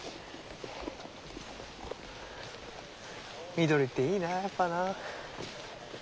緑っていいなやっぱな。